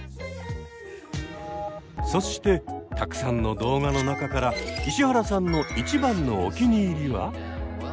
そしてたくさんの動画の中から石原さんの一番のお気に入りは？